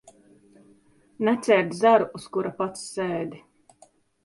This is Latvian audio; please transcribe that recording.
Necērt zaru, uz kura pats sēdi.